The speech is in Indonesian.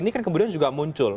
ini kan kemudian juga muncul